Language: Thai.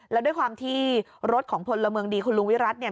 แล้วด้วยความที่รถของพลเมืองดีคุณลุงวิรัติเนี่ย